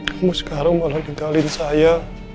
kamu sekarang malah tinggalin saya